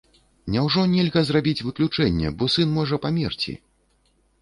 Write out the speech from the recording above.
Няўжо нельга зрабіць выключэнне, бо сын можа памерці?!